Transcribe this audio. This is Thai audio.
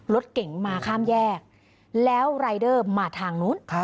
รถเก๋งมาข้ามแยกแล้วรายเดอร์มาทางนู้น